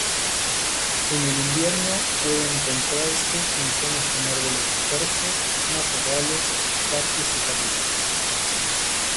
En el invierno puede encontrarse en zonas con árboles dispersos, matorrales, parques y jardines.